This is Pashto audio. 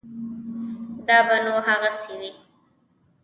دا به نو هغسې وي.